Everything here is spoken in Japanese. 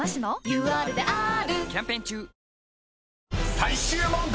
［最終問題］